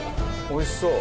おいしそう！